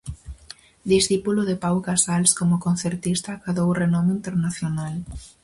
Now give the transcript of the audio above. Discípulo de Pau Casals, como concertista acadou renome internacional.